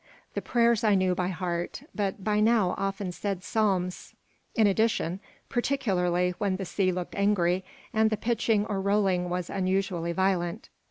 The prayers I knew by heart, but I now often said psalms, in addition, particularly when the sea looked angry and the pitching or rolling was unusually violent.